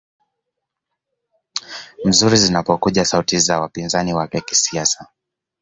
mzuri zinapokuja sauti za wapinzani wake kisiasa